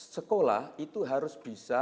sekolah itu harus bisa